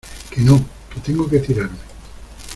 que no, que tengo que tirarme.